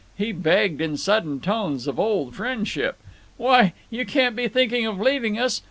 He begged, in sudden tones of old friendship: "Why, you can't be thinking of leaving us!